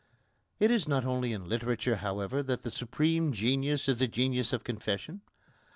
It is not only in literature, however, that the supreme genius is the genius of confession.